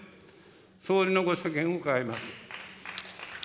総理のご所見を伺います。